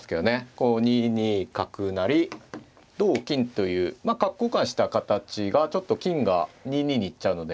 こう２二角成同金という角交換した形がちょっと金が２二に行っちゃうので。